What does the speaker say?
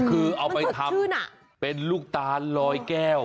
คือเอาไปทำเป็นลูกตาลลอยแก้ว